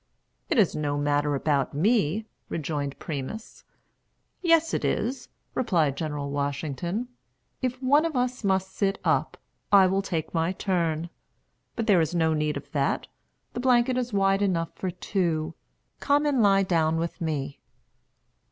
"It is no matter about me," rejoined Primus. "Yes, it is," replied General Washington. "If one of us must sit up, I will take my turn. But there is no need of that. The blanket is wide enough for two. Come and lie down with me."